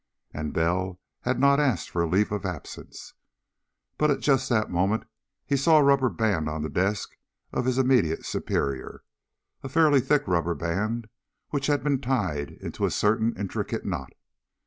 And Bell had not asked for a leave of absence. But at just that moment he saw a rubber band on the desk of his immediate superior, a fairly thick rubber band which had been tied into a certain intricate knot.